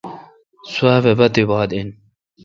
سوبھ باتیبات این۔